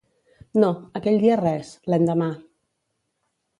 No, aquell dia res, l'endemà.